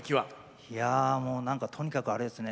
いやもう何かとにかくあれですね。